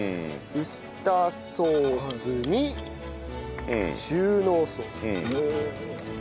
ウスターソースに中濃ソース。